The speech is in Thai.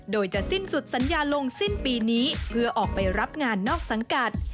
โดยจะสิ้นสุดสัญญาลงสิ้นปีนี้เพื่อออกไปรับงานนอกสังกัด